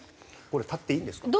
これ立っていいんですか？